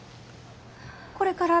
これから。